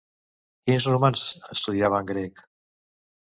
Quins romans estudiaven grec?